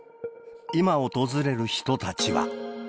今訪れる人たちは。